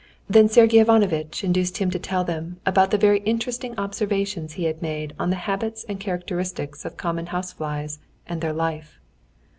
Then Sergey Ivanovitch induced him to tell them about the very interesting observations he had made on the habits and characteristics of common houseflies, and their life.